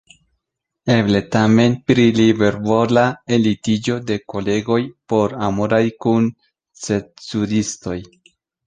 Eble tamen pri libervola enlitiĝo de kolegoj por amoradi kun cenzuristoj.